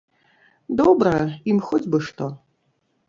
Добра, ім хоць бы што.